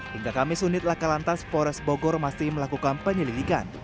hingga kamis unit lakalantas forest bogor masih melakukan penyelidikan